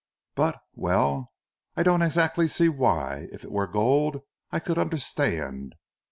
"But well I don't exactly see why! If it were gold, I could understand.